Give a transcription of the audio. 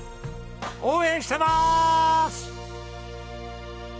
応援してまーす！